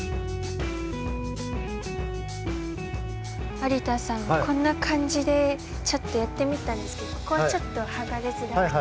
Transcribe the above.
有田さんこんなかんじでちょっとやってみたんですけどここちょっとはがれづらくて。